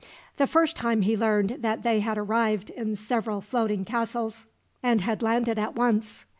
The first time he learned that they had arrived in several floating castles, and had landed at once.